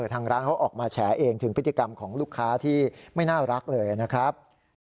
ทางร้านเขาออกมาแฉเองถึงพฤติกรรมของลูกค้าที่ไม่น่ารักเลยนะครับ